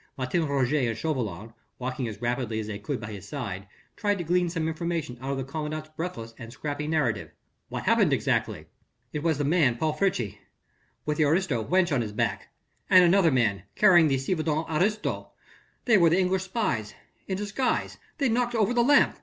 Martin Roget and Chauvelin, walking as rapidly as they could by his side, tried to glean some information out of the commandant's breathless and scrappy narrative: "What happened exactly?" "It was the man Paul Friche ... with the aristo wench on his back ... and another man carrying the ci devant aristo ... they were the English spies ... in disguise ... they knocked over the lamp ...